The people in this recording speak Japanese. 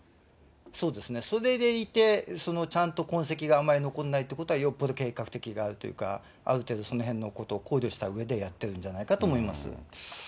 そうですね、それでいて、ちゃんと痕跡があんまり残らないということは、よっぽど計画的であるというか、ある程度、そのへんのことを考慮したうえでやってるんじゃないかと思います。